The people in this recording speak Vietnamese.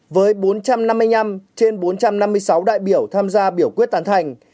với bốn trăm năm mươi năm trên bốn trăm năm mươi sáu đại biểu tham gia biểu quyết tán thành